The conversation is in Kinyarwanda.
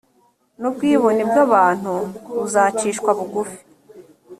nubwibone bw abantu buzacishwa bugufi